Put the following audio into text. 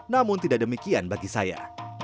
namun tidak demikian bagi saya